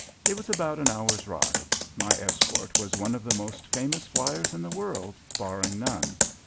It was about an hour's ride. My escort was one of the most famous flyers in the world, barring none.